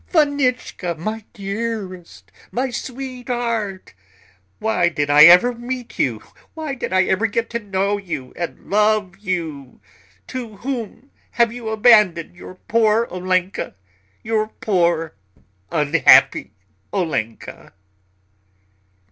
"Vanichka, my dearest, my sweetheart. Why did I ever meet you? Why did I ever get to know you and love you? To whom have you abandoned your poor Olenka, your poor, unhappy Olenka?"